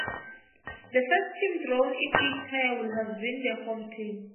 The first team drawn in each tie would have been the home team.